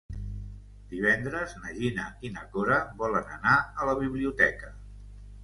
Divendres na Gina i na Cora volen anar a la biblioteca.